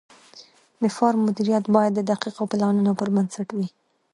د فارم مدیریت باید د دقیقو پلانونو پر بنسټ وي.